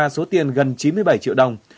tuy nhiên gần chín mươi bảy triệu đồng